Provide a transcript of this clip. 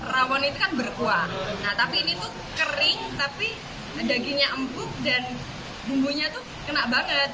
rawon itu kan berkuah nah tapi ini tuh kering tapi dagingnya empuk dan bumbunya tuh kena banget